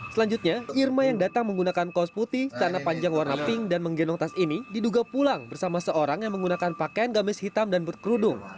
selanjutnya irma yang datang menggunakan kaos putih tanah panjang warna pink dan menggendong tas ini diduga pulang bersama seorang yang menggunakan pakaian gamis hitam dan berkerudung